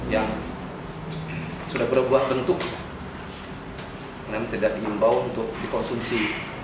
yang sudah berbuah bentuk namun tidak diimbau untuk dikonsumsi